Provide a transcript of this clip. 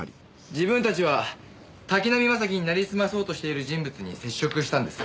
自分たちは滝浪正輝になりすまそうとしている人物に接触したんです。